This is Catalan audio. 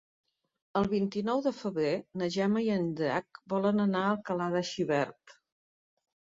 El vint-i-nou de febrer na Gemma i en Drac volen anar a Alcalà de Xivert.